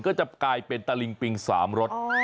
ก็จะกลายเป็นตะลิงปิง๓รส